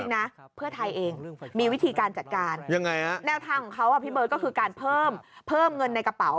แนวทางของเขาพี่เบิร์ดก็คือการเพิ่มเงินในกระเป๋า